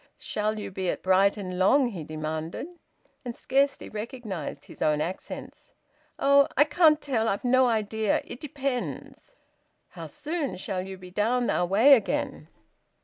"Shall you be at Brighton long?" he demanded, and scarcely recognised his own accents. "Oh! I can't tell! I've no idea. It depends." "How soon shall you be down our way again?"